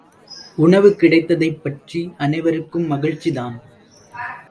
உணவு கிடைத்ததைப்பற்றி அனைவருக்கும் மகிழ்ச்சிதான்.